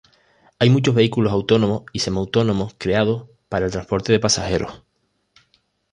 Hay muchos vehículos autónomos y semi-autónomos creados para el transporte de pasajeros.